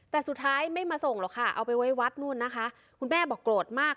แต่สุดท้ายไม่มาส่งหรอกค่ะเอาไปไว้วัดนู่นนะคะคุณแม่บอกโกรธมาก